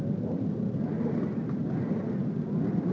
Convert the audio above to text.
ketika berlalu panjang kota madalika akan terbuka